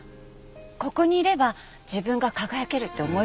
ここにいれば自分が輝けるって思える場所。